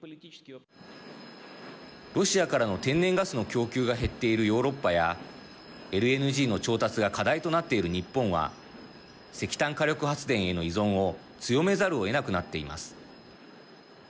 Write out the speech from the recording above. ロシアからの天然ガスの供給が減っているヨーロッパやＬＮＧの調達が課題となっている日本は石炭火力発電への依存を強めざるをえなくなっています。